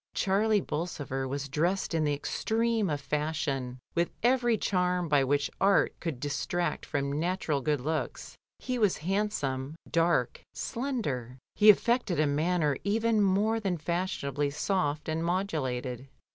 Charlie Bolsover was dressed in the extreme of fashion, with every charm by which art could de tract from natural good looks. He was handsome, dark, slender; he affected a manner even more than fashionably soft and modulated.